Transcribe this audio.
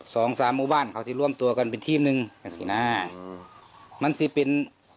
สองสามบ้านเขาที่ร่วมตัวกันเป็นทีมนึงอย่างสิน่ามันสิเป็น